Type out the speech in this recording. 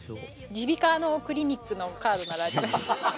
耳鼻科のクリニックのカードならあります。